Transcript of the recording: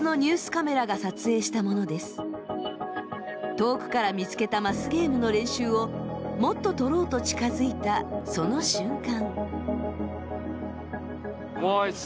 遠くから見つけたマスゲームの練習をもっと撮ろうと近づいたその瞬間。